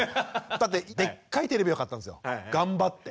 だってでっかいテレビを買ったんですよ。頑張って。